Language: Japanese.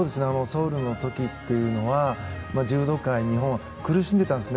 ソウルの時というのは柔道界、日本は苦しんでいたんです。